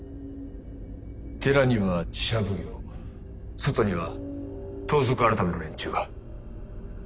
寺には寺社奉行外には盗賊改の連中が。